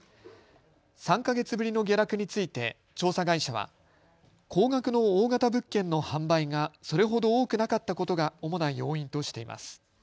３か月ぶりの下落について調査会社は高額の大型物件の販売がそれほど多くなかったことが主な要因としています。